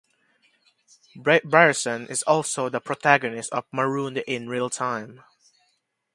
Brierson is also the protagonist of "Marooned in Realtime".